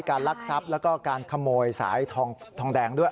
ลักทรัพย์แล้วก็การขโมยสายทองแดงด้วย